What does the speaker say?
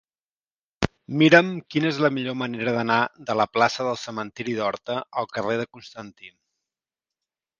Mira'm quina és la millor manera d'anar de la plaça del Cementiri d'Horta al carrer de Constantí.